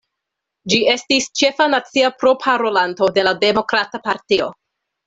Ĝi estis ĉefa nacia proparolanto de la Demokrata Partio.